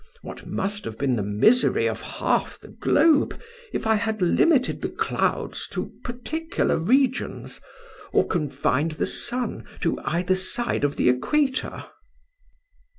What must have been the misery of half the globe if I had limited the clouds to particular regions, or confined the sun to either side of the equator?